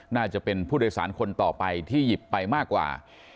น่าจะเป็นผู้โดยสารคนต่อไปที่หยิบไปมากกว่า